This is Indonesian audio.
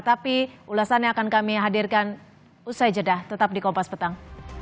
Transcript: tapi ulasannya akan kami hadirkan usai jeda tetap di kompas petang